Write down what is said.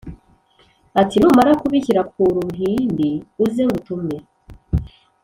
ati"numara kubishyira kuruhimbi uze ngutume"